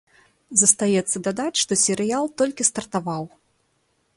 Застаецца дадаць, што серыял толькі стартаваў.